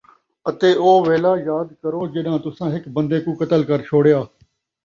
اَتے او ویلا وِی یاد کرو ڄَݙاں تُساں ہِک بَندے کوں قتل کر چھوڑیا،